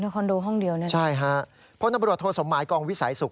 คอนโดห้องเดียวนี่นะครับใช่ฮะพนับรวจโทษมายกองวิสัยสุข